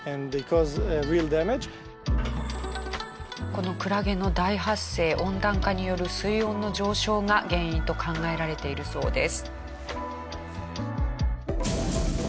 このクラゲの大発生温暖化による水温の上昇が原因と考えられているそうです。